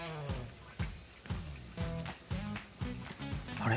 あれ？